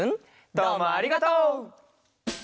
どうもありがとう！